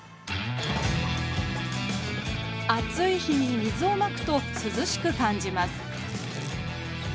暑い日に水をまくとすずしく感じます